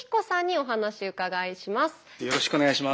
よろしくお願いします。